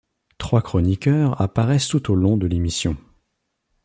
Trois chroniqueurs apparaissent tout au long de l'émission.